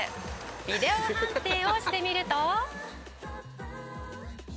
「ビデオ判定をしてみると」